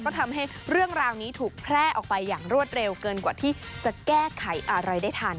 ก็ทำให้เรื่องราวนี้ถูกแพร่ออกไปอย่างรวดเร็วเกินกว่าที่จะแก้ไขอะไรได้ทัน